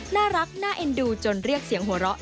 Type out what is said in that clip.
น่ารักน่าเอ็นดูจนเรียกเสียงหัวเราะ